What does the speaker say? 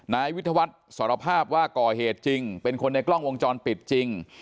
นายวิทยาวัฒน์สารภาพว่าก่อเหตุจริงเป็นคนในกล้องวงจรปิดจริง